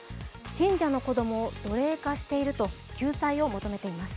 信者の子供を奴隷化していると救済を求めています。